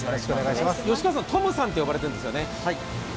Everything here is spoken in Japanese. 吉川さん、トムさんと呼ばれているんですよね。